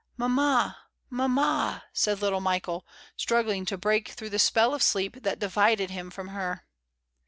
"Mamma, mamma," said little Michael, struggling to break through the spell of sleep that divided him from her.